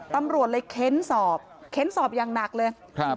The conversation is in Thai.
ตำรวจเลยเค้นสอบเค้นสอบอย่างหนักเลยครับ